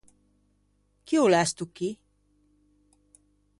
Chi o l’é sto chì?